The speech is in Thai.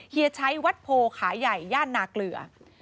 เฮียชัยวัดโพขาใหญ่ย่านนาเกลือ